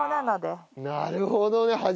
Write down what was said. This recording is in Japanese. なるほどね。